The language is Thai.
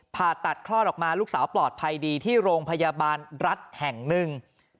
ผ่าตัดคลอดออกมาลูกสาวปลอดภัยดีที่โรงพยาบาลรัฐแห่งหนึ่ง